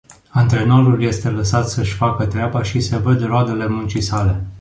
Antrenorul este lăsat să-și facă treaba și se văd roadele muncii sale.